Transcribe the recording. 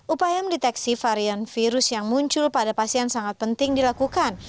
upaya mendeteksi varian virus yang muncul pada pasien sangat penting dilakukan